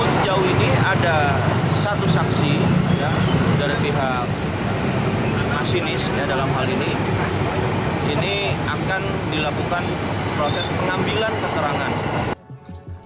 sejauh ini ada satu saksi dari pihak masinis dalam hal ini ini akan dilakukan proses pengambilan keterangan